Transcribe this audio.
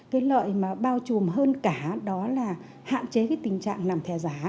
cái lợi mà bao trùm hơn cả đó là hạn chế cái tình trạng làm thẻ giá